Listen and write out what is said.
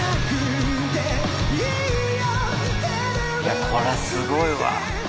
いやこれはすごいわ。